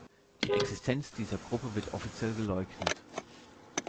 Die Existenz dieser Gruppe wird offiziell geleugnet.